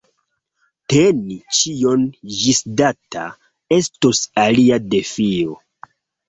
Teni ĉion ĝisdata estos alia defio.